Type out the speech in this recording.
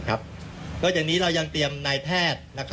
ก็จากนี้เรายังเตรียมนายแทศน์